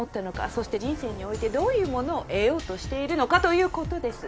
そして人生においてどういうものを得ようとしているのかということです。